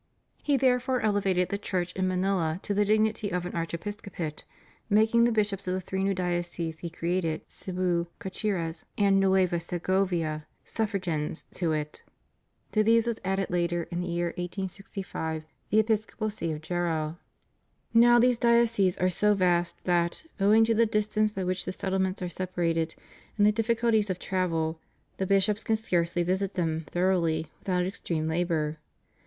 He therefore elevated the Church in Manila to the dignity of an Archi episcopate, making the Bishops of the three new dioceses he created, Cebu, Caceres, and Nueva Segovia, suffragans to it. To these was added later, in the year 1865, the Episcopal See of Jaro. Now these dioceses are so vast that, owing to the dis tance by which the settlements are separated and the difficulties of travel, the bishops can scarcely visit them thoroughly without extreme labor.